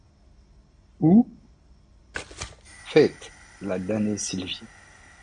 Où? feit la damnée Sylvie.